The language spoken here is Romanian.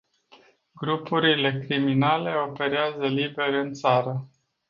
Grupurile criminale operează libere în țară.